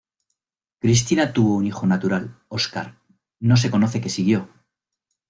Cristina tuvo un hijo natural Oscar, no se conoce que siguió.